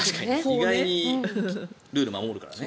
意外にルール守るからね。